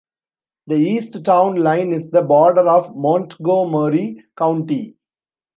The east town line is the border of Montgomery County.